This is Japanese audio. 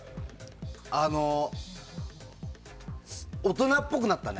大人っぽくなったね。